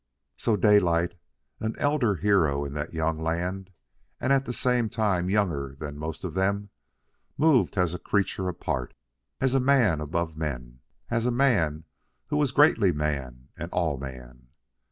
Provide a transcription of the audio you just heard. So Daylight, an elder hero in that young land and at the same time younger than most of them, moved as a creature apart, as a man above men, as a man who was greatly man and all man.